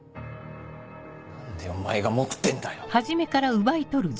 何でお前が持ってんだよ。